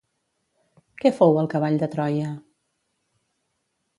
Què fou el cavall de Troia?